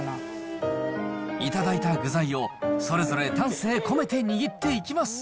頂いた具材を、それぞれ丹精込めて握っていきます。